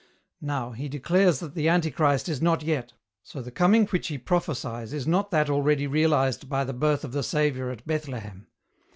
Now, he declares that the Antichrist is not yet, so the coming which he prophesies is not that already realized by the birth of the Saviour at Bethlehem.